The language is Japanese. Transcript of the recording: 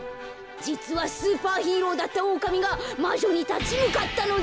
じつはスーパーヒーローだったオオカミがまじょにたちむかったのです。